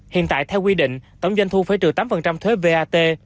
hiện tại theo quy định tổng doanh thu phải trừ tám thuế vat